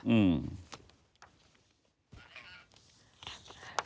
อืม